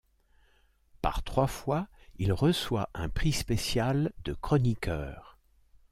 Par trois fois, il reçoit un Prix spécial de chroniqueur.